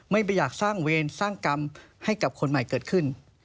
ไม่ไปอยากสร้างเวรสร้างกรรมให้กับคนใหม่เกิดขึ้น